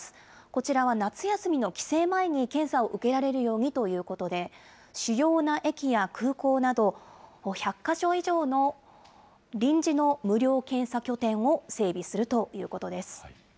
こちらは夏休みの帰省前に検査を受けられるようにということで、主要な駅や空港など、１００か所以上の臨時の無料検査拠点を整備するということです。